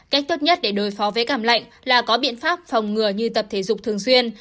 cách tốt nhất để đối phó với cảm lạnh là có biện pháp phòng ngừa như tập thể dục thường xuyên